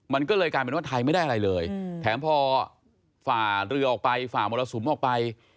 มันก็เลยกลายเป็นว่าไทยไม่ได้อะไรเลยแถมพอฝ่าเรือออกไปฝ่ามรสุมออกไป